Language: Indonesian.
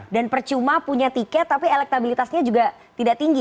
dan percuma punya tiket tapi elektabilitasnya juga tidak tinggi